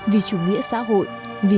vì chủ nghĩa xã hội